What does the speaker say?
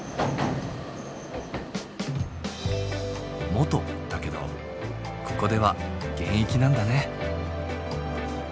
「元」だけどここでは現役なんだね。